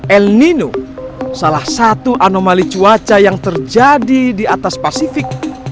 el nino salah satu anomali cuaca yang terjadi di atas pasifik